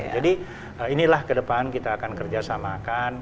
jadi inilah ke depan kita akan kerjasamakan